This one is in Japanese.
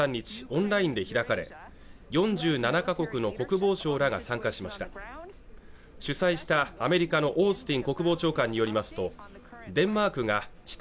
オンラインで開かれ４７か国の国防相らが参加しました主催したアメリカのオースティン国防長官によりますとデンマークが地